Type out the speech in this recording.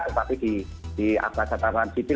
tetapi di atas catatan sipil